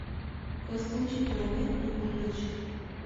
Кыстинчи Тоймет тукым гыч.